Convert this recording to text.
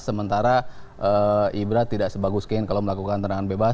sementara ibra tidak sebagus kane kalau melakukan terangan bebas